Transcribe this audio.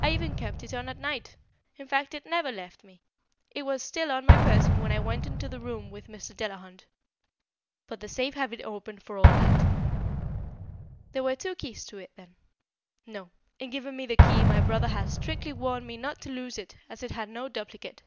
I even kept it on at night. In fact it never left me. It was still on my person when I went into the room with Mr. Delahunt. But the safe had been opened for all that." "There were two keys to it, then?" "No; in giving me the key, my brother had strictly warned me not to lose it, as it had no duplicate."